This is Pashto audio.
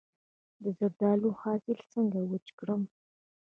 د زردالو حاصل څنګه وچ کړم؟